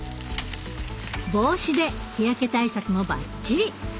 帽子で日焼け対策もバッチリ！